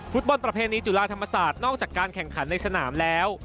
ประเพณีจุฬาธรรมศาสตร์นอกจากการแข่งขันในสนามแล้ว